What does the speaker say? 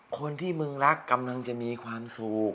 คนที่มึงรักกำลังจะมีความสุข